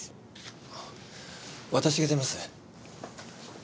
私が出ます。